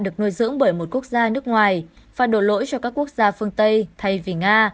được nuôi dưỡng bởi một quốc gia nước ngoài và đổ lỗi cho các quốc gia phương tây thay vì nga